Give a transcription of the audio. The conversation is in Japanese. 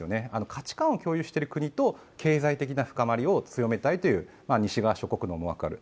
価値観を共有している国と経済的な深まりを深めたいという西側諸国の思惑がある。